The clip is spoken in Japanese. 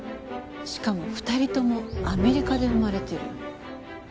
しかも２人ともアメリカで生まれてる。